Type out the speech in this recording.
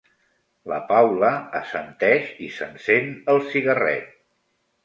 La Paula assenteix i s'encén el cigarret.